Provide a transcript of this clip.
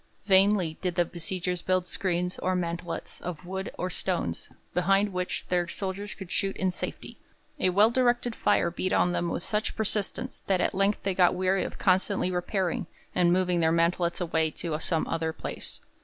Vainly did the besiegers build screens or 'mantelets' of wood or stones, behind which their soldiers could shoot in safety; a well directed fire beat on them with such persistence that at length they got weary of constantly repairing, and moved their mantelets away to some other place.